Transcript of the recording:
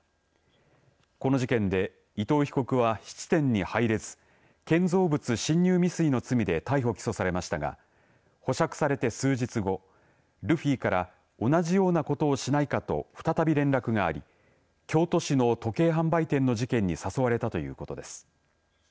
この事件で伊藤被告は質店に入れず建造物侵入未遂の罪で逮捕、起訴されましたが保釈されて数日後ルフィから同じようなことをしないかと再び連絡があり京都市の時計販売店の事件に誘われたということです。